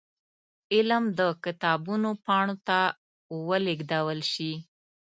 علم د کتابونو پاڼو ته ولېږدول شي.